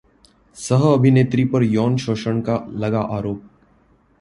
सह अभिनेत्री पर यौन शोषण का लगा आरोप